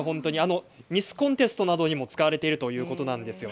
ミスコンテストなどにも使われているということです。